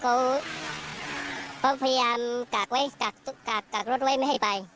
เขาพยายามกากรถไว้ไม่ให้ไป